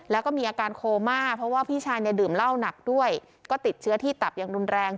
แล้วก็มีอาการโคม่าเพราะว่าพี่ชายเนี่ยดื่มเหล้าหนักด้วยก็ติดเชื้อที่ตับอย่างรุนแรง